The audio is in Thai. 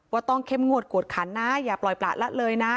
ต้องเข้มงวดกวดขันนะอย่าปล่อยประละเลยนะ